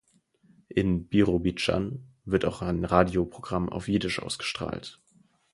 In Birobidschan wird auch ein Radioprogramm auf Jiddisch ausgestrahlt.